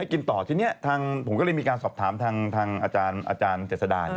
เ฻กเนี่ยผมก็เลยมีการสอบถามทางอาจารย์เจ็ดสะดาย